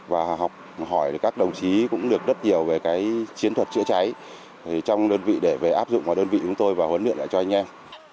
và học hỏi các đồng chí cũng được rất nhiều về chiến thuật trịa trái trong đơn vị để áp dụng vào đơn vị chúng tôi và huấn luyện lại cho anh em